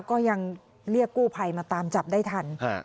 ก็ยังเรียกกู้ภัยมาตามจับได้ทัน